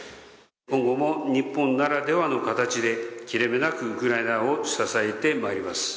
今後も日本ならではの形で、切れ目なくウクライナを支えてまいります。